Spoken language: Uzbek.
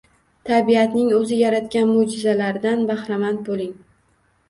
Tabiatning o‘zi yaratgan mo‘jizalardan bahramand bo‘ling